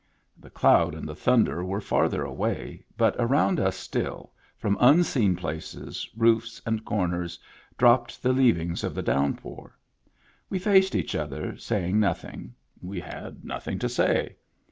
The cloud and the thunder were farther away, but around us still, from unseen places, roofs and corners, dropped the leavings of the downpour. We faced each other, saying nothing; we had nothing to say.